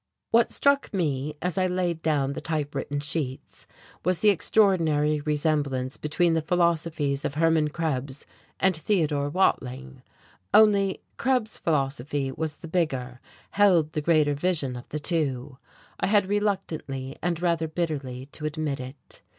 What struck me, as I laid down the typewritten sheets, was the extraordinary resemblance between the philosophies of Hermann Krebs and Theodore Watling. Only Krebs's philosophy was the bigger, held the greater vision of the two; I had reluctantly and rather bitterly to admit it.